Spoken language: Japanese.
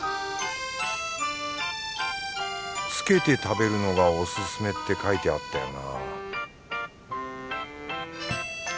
つけて食べるのがおすすめって書いてあったよな